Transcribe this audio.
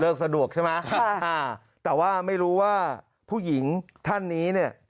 สะดวกใช่ไหมอ่าแต่ว่าไม่รู้ว่าผู้หญิงท่านนี้เนี่ย